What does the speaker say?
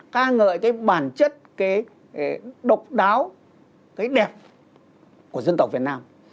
ca ngợi cái bản chất cái độc đáo cái đẹp của dân tộc việt nam